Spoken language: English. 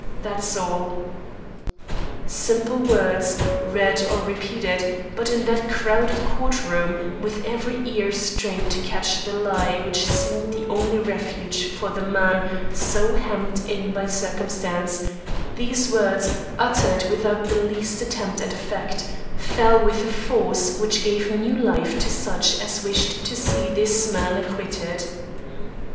That's all." Simple words, read or repeated; but in that crowded court room, with every ear strained to catch the lie which seemed the only refuge for the man so hemmed in by circumstance, these words, uttered without the least attempt at effect, fell with a force which gave new life to such as wished to see this man acquitted.